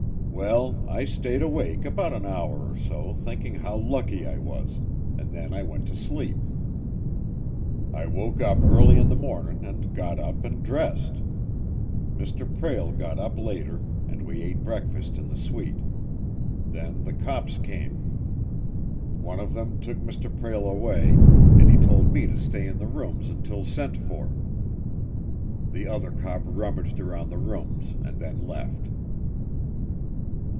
"Well, I stayed awake about an hour or so thinking how lucky I was, and then I went to sleep. I woke up early in the mornin' and got up and dressed. Mr. Prale got up later, and we ate breakfast in the suite. Then the cops came. One of them took Mr. Prale away, and he told me to stay in the rooms until sent for. The other cop rummaged around the rooms and then left."